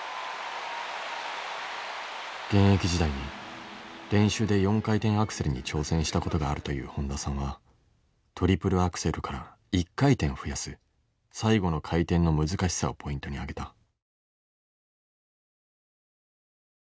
現役時代に練習で４回転アクセルに挑戦したことがあるという本田さんはトリプルアクセルから１回転増やす最後の回転の難しさをポイントにあげた。